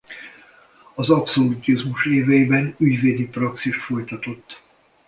Az abszolutizmus éveiben ügyvédi praxist folytatott.